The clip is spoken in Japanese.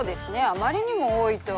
あまりにも多いと。